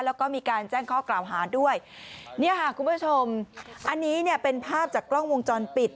แล้วก็มีการแจ้งข้อกล่าวหาด้วยเนี่ยค่ะคุณผู้ชมอันนี้เนี่ยเป็นภาพจากกล้องวงจรปิด